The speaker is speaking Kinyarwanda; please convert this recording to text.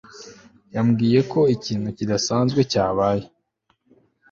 yambwiye ko ikintu kidasanzwe cyabaye